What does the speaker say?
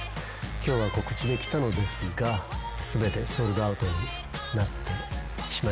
今日は告知で来たのですが全てソールドアウトになってしまいました。